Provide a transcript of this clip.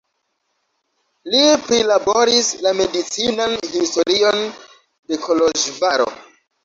Li prilaboris la medicinan historion de Koloĵvaro.